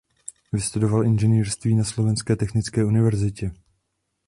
Vystudoval inženýrství na Slovenské technické univerzitě.